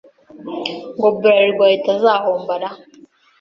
ngo Blarirwa itazahomba ra